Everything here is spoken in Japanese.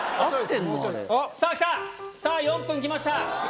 さぁ４分来ました！